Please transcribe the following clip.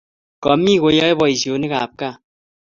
Kamie koyae boishonik ab kaa